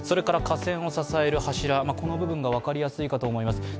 架線を支える柱、この部分が分かりやすいかと思います。